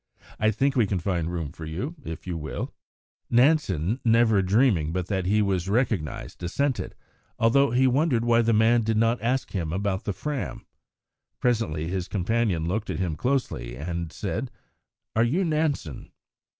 "I think we can find room for you, if you will." Nansen, never dreaming but that he was recognised, assented, although he wondered why the man did not ask him about the Fram. Presently his companion looked at him closely and said: "Are you Nansen?"